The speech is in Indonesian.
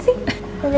pinter banget sih